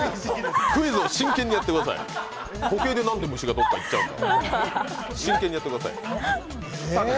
クイズを真剣にやってください、時計でなんで虫がどっか行っちゃうんだ。